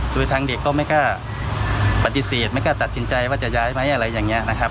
โดยทางเด็กก็ไม่กล้าปฏิเสธไม่กล้าตัดสินใจว่าจะย้ายไหมอะไรอย่างนี้นะครับ